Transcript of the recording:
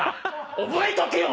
覚えとけよ！